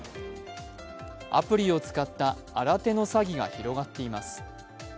アプリを使った新手の詐欺が広がっています。